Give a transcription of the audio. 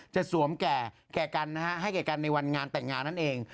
สวมแก่กันนะฮะให้แก่กันในวันงานแต่งงานนั่นเอง